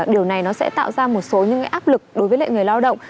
điều này nó sẽ tạo ra một số những áp lực đối với lệ người lao động